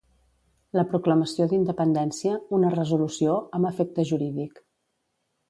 La proclamació d'independència, una resolució “amb efecte jurídic”.